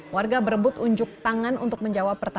warga berebut unjuk tangan untuk menjawab pertanyaan